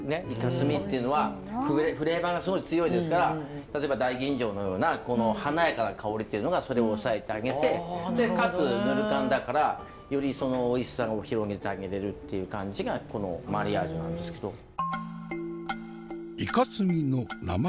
イカスミっていうのはフレーバーがすごい強いですから例えば大吟醸のようなこの華やかな香りっていうのがそれを抑えてあげてでかつぬる燗だからよりそのおいしさを広げてあげれるっていう感じがこのマリアージュなんですけど。